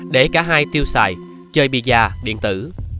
để cả hai tiêu xài chơi bia điện tử